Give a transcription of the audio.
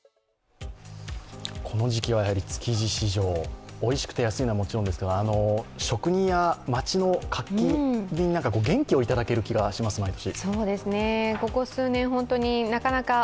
この時期はやはり築地市場、おいしくて安いのはもちろんですが職人や街の活気に元気をいただける気がします、毎年。